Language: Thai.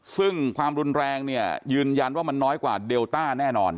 ซึ่งความรุนแรงเนี่ยยืนยันว่ามันน้อยกว่าเดลต้าแน่นอน